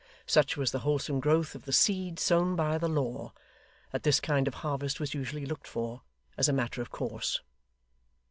Such was the wholesome growth of the seed sown by the law, that this kind of harvest was usually looked for, as a matter of course.